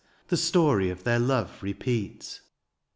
The story of their love repeat.